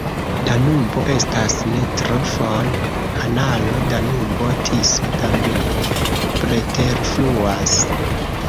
Danubo estas ne tro for, kanalo Danubo-Tiso-Danubo preterfluas.